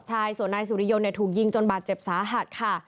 ใช่ส่วนนายสุริยนต์ถูกยิงจนบาดเจ็บสาหัสค่ะ